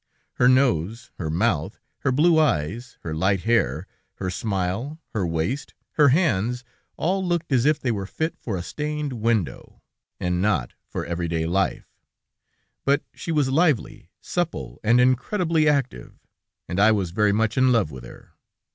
Her nose, her mouth, her blue eyes, her light hair, her smile, her waist, her hands, all looked as if they were fit for a stained window, and not for everyday life, but she was lively, supple, and incredibly active, and I was very much in love with her.